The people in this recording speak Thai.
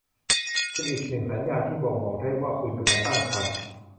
เป็นอีกหนึ่งสัญญาณที่บ่งบอกได้ว่าคุณกำลังตั้งครรภ์